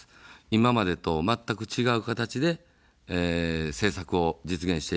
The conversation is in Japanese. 今までと全く違う形で政策を実現していく。